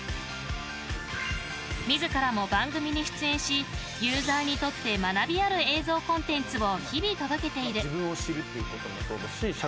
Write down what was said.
自らも番組に出演しユーザーにとって学びのある映像コンテンツを日々、届けている。